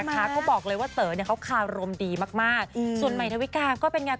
ใช่ไหมก็บอกเลยว่าเต๋อเนี้ยเขาคารมดีมากมากอืมส่วนใหม่เทวิกาก็เป็นยังไง